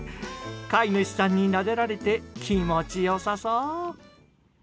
飼い主さんになでられて気持ち良さそう。